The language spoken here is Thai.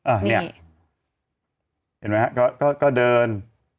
อ่ะเนี่ยเห็นไหมฮะก็เดิน